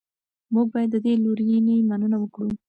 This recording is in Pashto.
موږ باید د دې لورینې مننه وکړو.